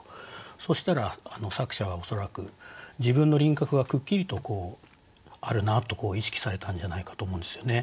そうしたら作者は恐らく自分の輪郭がくっきりとあるなと意識されたんじゃないかと思うんですよね。